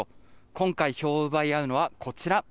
今回票を奪い合うのはこちら。